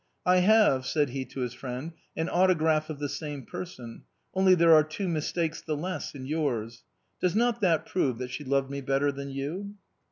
" I have," said he to his friend, " an autograph of the same person ; only there are two mistakes the less than in yours. Does not that prove that she loved me better than you